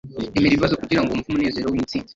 emera ibibazo kugira ngo wumve umunezero w'intsinzi